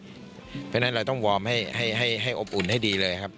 เพราะฉะนั้นเราต้องวอร์มให้อบอุ่นให้ดีเลยครับ